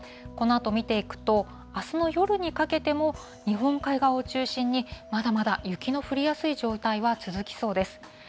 このあと見ていくと、あすの夜にかけても、日本海側を中心に、まだまだ雪の降りやすい状態は続きそうです。